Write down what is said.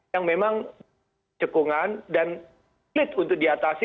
yang memang cekungan dan sulit untuk diatasi